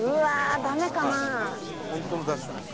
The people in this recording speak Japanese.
「本当のダッシュです」